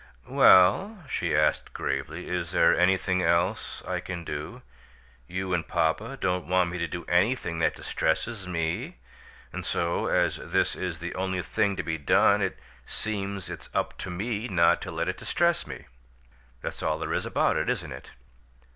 "Well," she asked, gravely, "is there anything else I can do? You and papa don't want me to do anything that distresses me, and so, as this is the only thing to be done, it seems it's up to me not to let it distress me. That's all there is about it, isn't it?"